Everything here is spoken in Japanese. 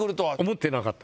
思ってなかった